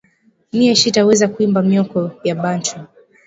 Miye shita weza kwiba myoko ya bantu